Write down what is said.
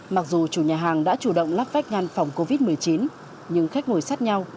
mặc dù chủ nhà hàng đã chủ động lắp vách ngăn phòng covid một mươi chín nhưng khách ngồi sát nhau